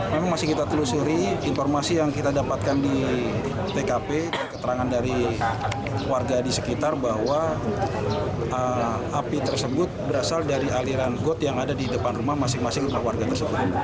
memang masih kita telusuri informasi yang kita dapatkan di tkp keterangan dari warga di sekitar bahwa api tersebut berasal dari aliran got yang ada di depan rumah masing masing rumah warga tersebut